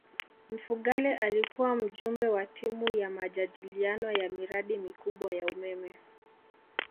mfugale alikuwa mjumbe wa timu ya majadiliano ya miradi mikubwa ya umeme